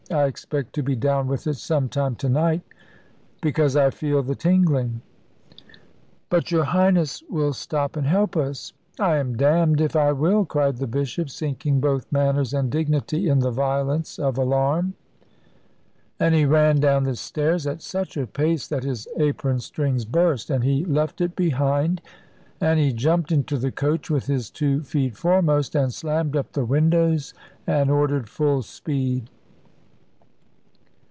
I expect to be down with it some time to night, because I feel the tingling. But your Highness will stop and help us." "I am damned if I will," cried the Bishop, sinking both manners and dignity in the violence of alarm; and he ran down the stairs at such a pace that his apron strings burst, and he left it behind, and he jumped into the coach with his two feet foremost, and slammed up the windows, and ordered full speed.